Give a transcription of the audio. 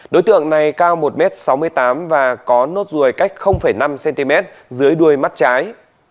đối tượng này cao một m sáu mươi tám và có nốt ruồi cách năm cm dưới đuôi mắt trái